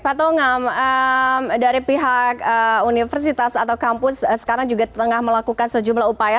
pak tongam dari pihak universitas atau kampus sekarang juga tengah melakukan sejumlah upaya